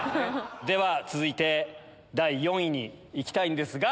では続いて第４位に行きたいんですが。